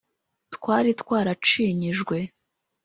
twari twaracinyijwe